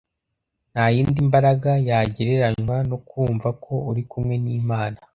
Nta yindi mbaraga yagereranywa no kumva ko uri kumwe n’Imana